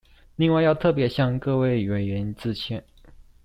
另外要特別向各位委員致歉